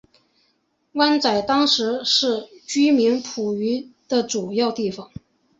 湾仔当时是居民捕鱼的主要地方。